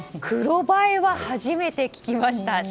黒バイは初めて聞きました。